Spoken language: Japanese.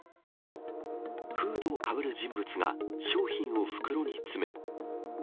フードをかぶる人物が商品を袋に詰め。